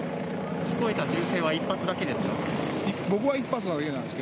聞こえた銃声は１発だけですか？